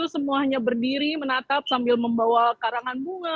semuanya berdiri menatap sambil membawa karangan bunga